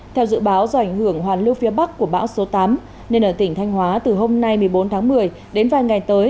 theo dự báo do ảnh hưởng hoàn lưu phía bắc của bão số tám nên ở tỉnh thanh hóa từ hôm nay một mươi bốn tháng một mươi đến vài ngày tới